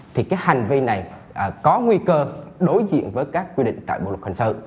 thì cái hành vi này có nguy cơ đối diện với các quy định tại bộ luật hình sự